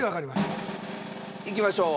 いきましょう。